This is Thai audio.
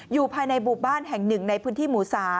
อยู่ภายในบุบ้านแห่ง๑ในพื้นที่หมู่๓